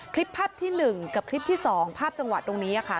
คลิปภาพที่๑กับคลิปที่๒ภาพจังหวัดตรงนี้ค่ะ